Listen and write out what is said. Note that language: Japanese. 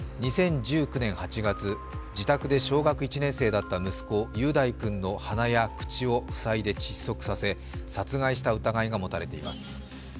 ２０１９年８月、自宅で小学１年生だった息子・雄大君の鼻や口を塞いで窒息させ殺害した疑いが持たれています。